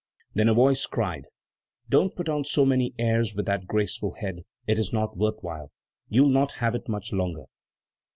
Then a voice cried: "Don't put on so many airs with that graceful head; it is not worth while. You'll not have it much longer."